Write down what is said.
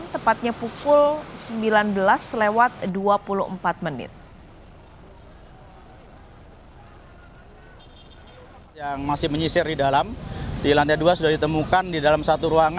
tepatnya pukul sembilan belas lewat dua puluh empat menit